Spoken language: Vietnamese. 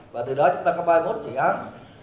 và từ đó chúng ta có ba mươi một dự án